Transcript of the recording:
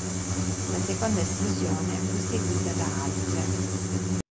La seconda esplosione fu seguita da altre.